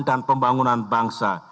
dan pembangunan bangsa